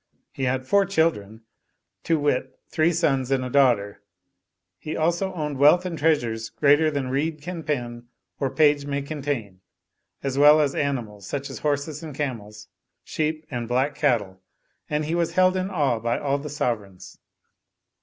He had four children; to wit, three sons and a daughter: he also owned wealth and treasures 107 Oriental Mystery Stories greater than reed can pen or page may contain ; as well as animals such as horses and camels, sheep and black cattle; and he was held in awe by all the sovereigns.